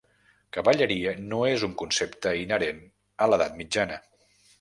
Cavalleria no és un concepte inherent a l'edat mitjana.